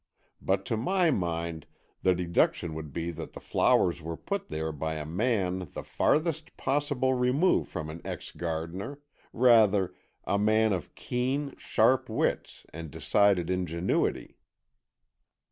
But to my mind, the deduction would be that the flowers were put there by a man the farthest possible remove from an ex gardener, rather, a man of keen, sharp wits and decided ingenuity."